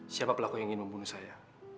siapa pelaku yang ingin membunuh saya